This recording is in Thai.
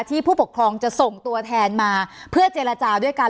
ผู้ปกครองจะส่งตัวแทนมาเพื่อเจรจาด้วยกัน